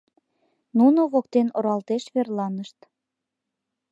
Нуно воктен оралтеш верланышт.